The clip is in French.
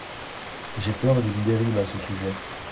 J’ai peur d’une dérive à ce sujet.